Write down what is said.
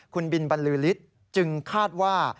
คุณบินบรรลือฤทธิ์จึงคาดว่า